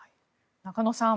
中野さん